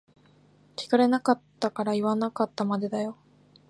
聞かれなかったから言わなかったまでだよ。